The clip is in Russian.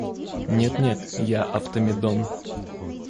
Нет, нет, я Автомедон.